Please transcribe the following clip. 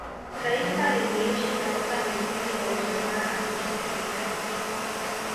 taifa liliishi katika misingi ya ujamaa na kujitegemea